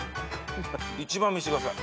１番見せてください。